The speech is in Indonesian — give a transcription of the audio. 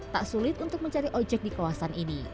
tak sulit untuk mencari ojek di kawasan ini